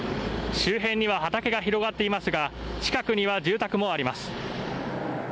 周辺には畑が広がっていますが近くには住宅もあります。